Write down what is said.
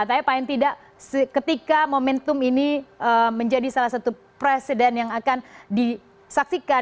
tapi paling tidak ketika momentum ini menjadi salah satu presiden yang akan disaksikan